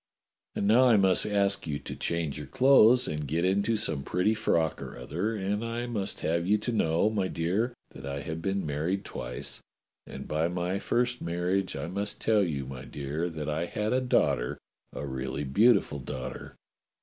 ^ And now I must ask you to change your clothes and get into some pretty frock or other, and I must have you to know, my dear, that I have been married twice, and by my first marriage I must tell you, my dear, that I had a daugh ter, a really beautiful daughter.